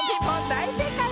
だいせいかい！